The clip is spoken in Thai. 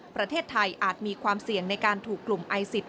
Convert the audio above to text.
ประเทศไทยอาจมีความเสี่ยงในการถูกกลุ่มไอซิส